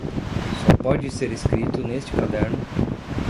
Só pode ser escrito neste caderno